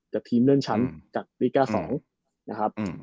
กับทีมเลื่อนชั้นกับวูเดฟริกา๒